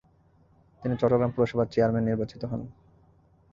তিনি চট্টগ্রাম পৌরসভার চেয়ারম্যান নির্বাচিত হন।